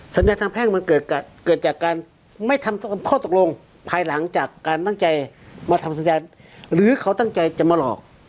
สัญญาทางแพ่งมันเกิดจากการไม่ทำข้อตกลงภายหลังจากการตั้งใจมาทำสัญญาณหรือเขาตั้งใจจะมาหลอก